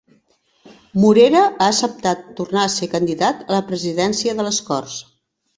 Morera ha acceptat tornar a ser candidat a la presidència de les Corts